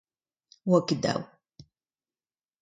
Ne oa ket dav !